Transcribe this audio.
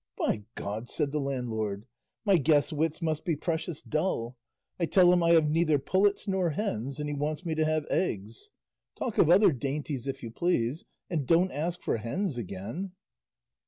"By God," said the landlord, "my guest's wits must be precious dull; I tell him I have neither pullets nor hens, and he wants me to have eggs! Talk of other dainties, if you please, and don't ask for hens again."